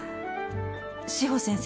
志保先生